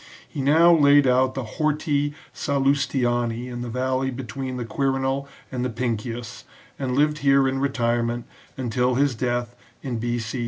He now laid out the Horti Sallustiani in the valley be tween the Quirinal and the Pincius, and lived here in retirement until his death in B.C.